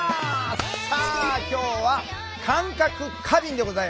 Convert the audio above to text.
さあ今日は「感覚過敏」でございます。